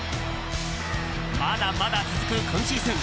まだまだ続く今シーズン。